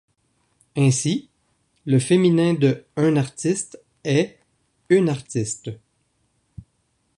Ainsi, le féminin de "un artiste" est "une artiste".